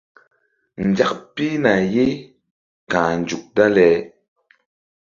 Nzak pihna ye ka̧h nzuk dale.